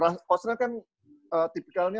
coach net kan tipikalnya